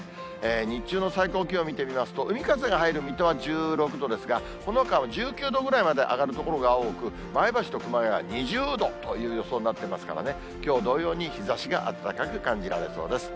日中の最高気温見てみますと、海風が入る水戸は１６度ですが、そのほかは１９度ぐらいまで上がる所が多く、前橋と熊谷は２０度という予想になってますからね、きょう同様に日ざしが暖かく感じられそうです。